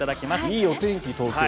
いいお天気、東京は。